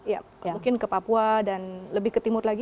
ya mungkin ke papua dan lebih ke timur lagi